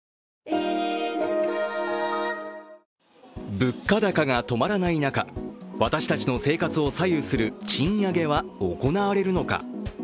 物価高が止まらない中、私たちの生活を左右する賃上げは行われるのか。